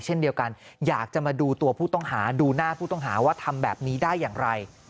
เช่นเดียวกันอยากจะมาดูตัวผู้ต้องหาดูหน้าผู้ต้องหาว่าทำแบบนี้ได้อย่างไร